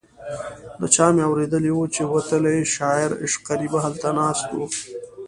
له چا مې اورېدي وو چې وتلی شاعر عشقري به هلته ناست و.